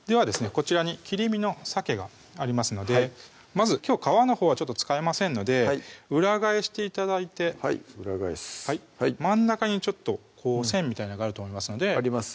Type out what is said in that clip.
こちらに切り身のさけがありますのでまずきょう皮のほうは使いませんので裏返して頂いてはい裏返す真ん中にちょっと線みたいなのがあると思いますのであります